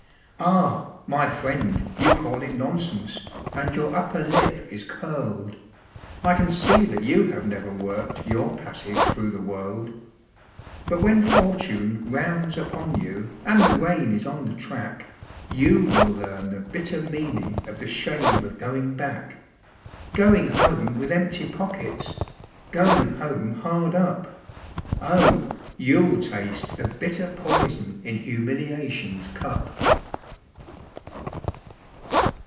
Ah! my friend, you call it nonsense, and your upper lip is curled, I can see that you have never worked your passage through the world; But when fortune rounds upon you and the rain is on the track, You will learn the bitter meaning of the shame of going back; Going home with empty pockets, Going home hard up; Oh, you'll taste the bitter poison in humiliation's cup.